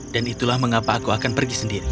itulah mengapa aku akan pergi sendiri